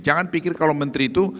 jangan pikir kalau menteri itu